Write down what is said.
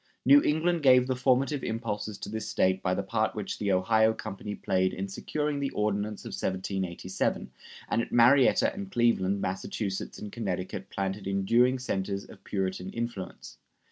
New England gave the formative impulses to this State by the part which the Ohio Company played in securing the Ordinance of 1787, and at Marietta and Cleveland Massachusetts and Connecticut planted enduring centers of Puritan influence.